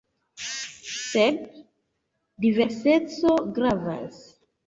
Sed diverseco gravas.